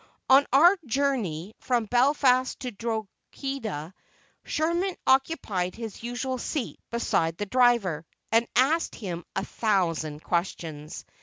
On our journey from Belfast to Drogheda, Sherman occupied his usual seat beside the driver, and asked him a thousand questions.